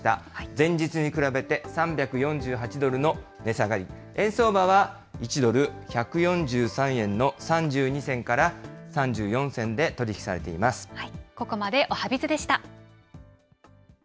前日に比べて３４８ドルの値下がり、円相場は１ドル１４３円の３２銭から３４銭で取り引きされていまここまでおはＢｉｚでした。